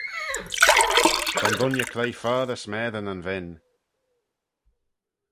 Va'n dooinney cloie foddey smessey na'n ven.